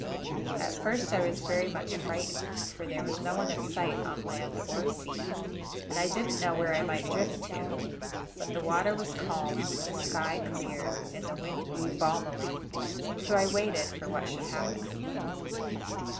At first I was very much frightened; for there was no one in sight on land or sea, and I didn't know where I might drift to. But the water was calm, the sky clear, and the wind blew balmily; so I waited for what should happen.